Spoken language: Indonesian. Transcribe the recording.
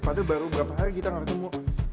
padahal baru berapa hari kita gak ketemu